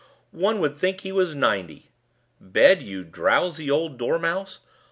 one would think he was ninety! Bed, you drowsy old dormouse!